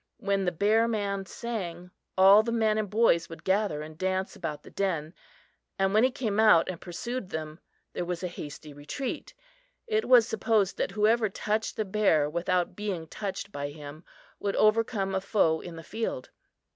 When the bear man sang, all the men and boys would gather and dance about the den; and when he came out and pursued them there was a hasty retreat. It was supposed that whoever touched the bear without being touched by him would overcome a foe in the field.